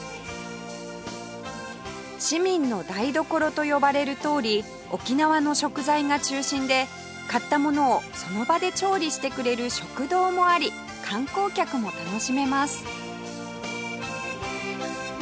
市民の台所と呼ばれるとおり沖縄の食材が中心で買ったものをその場で調理してくれる食堂もあり観光客も楽しめます